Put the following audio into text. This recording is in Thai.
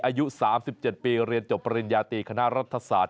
อายุ๓๗ปีเรียนจบปริญญาตีคณะรัฐศาสตร์